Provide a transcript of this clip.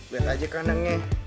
lihat aja kanannya